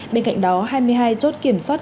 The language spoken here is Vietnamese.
bên cạnh đó hai mươi hai chốt kiểm soát